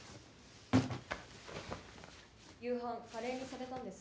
夕飯カレーにされたんですね。